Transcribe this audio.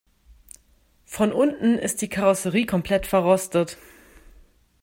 Von unten ist die Karosserie komplett verrostet.